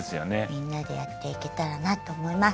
みんなでやっていけたらなと思います。